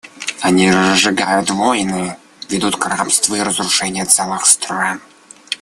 Они разжигают войны, ведут к рабству и разрушению целых стран.